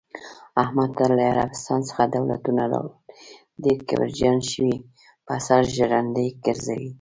احمد ته له عربستان څخه دولتونه راغلل، ډېر کبرجن شوی، په سر ژرندې ګرځوی.